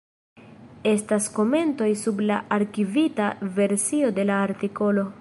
Estas komentoj sub la arkivita versio de la artikolo.